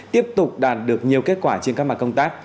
tiếp tục đạt được nhiều kết quả trên các mặt công tác